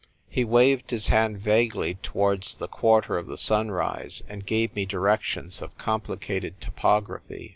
He waved his hand vaguely towards the quarter of the sunrise, and gave me directions of complicated topography.